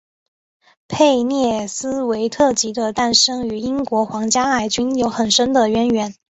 佩列斯韦特级的诞生与英国皇家海军的有很深的渊源。